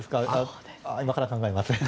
今から考えます。